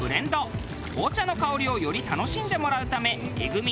紅茶の香りをより楽しんでもらうためエグみ